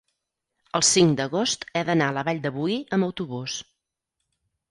el cinc d'agost he d'anar a la Vall de Boí amb autobús.